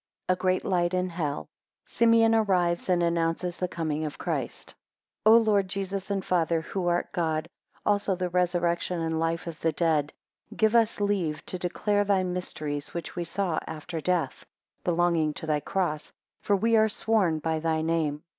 3 A great light in hell. 7 Simeon arrives, and announces the coming of Christ. O LORD Jesus and Father, who art God, also the resurrection and life of the dead, give us leave to declare thy mysteries, which we saw after death, belonging to thy cross; for we are sworn by thy name.